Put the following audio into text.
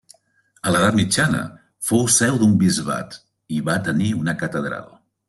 A l'edat mitjana fou seu d'un bisbat i va tenir una catedral.